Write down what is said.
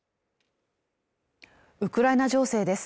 ウクライナ情勢です